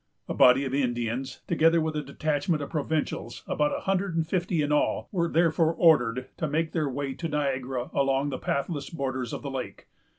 A body of Indians, together with a detachment of provincials, about a hundred and fifty in all, were therefore ordered to make their way to Niagara along the pathless borders of the lake.